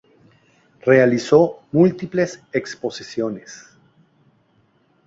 Realizó múltiples exposiciones.